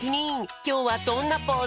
きょうはどんなポーズ？